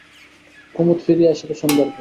কুমুদ ফিরিয়া আসিল সন্ধ্যার পর।